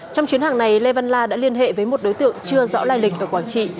trong chuyến hàng này lê văn la đã liên hệ với một đối tượng chưa rõ lai lịch ở quảng trị